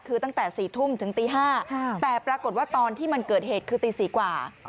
คือตั้งแต่๔ทุ่มถึงตี๕แต่ปรากฏว่าตอนที่มันเกิดเหตุคือตี๔กว่า